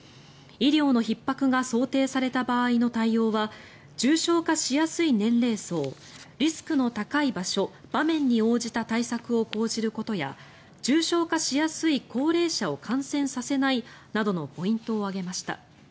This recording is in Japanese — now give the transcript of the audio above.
医療のひっ迫が想定された場合の対応は重症化しやすい年齢層リスクの高い場所、場面に応じた対策を講じることや重症化しやすい高齢者を感染させないなどのポイントを挙げました。